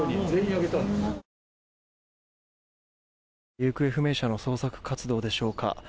行方不明者の捜索活動でしょうか。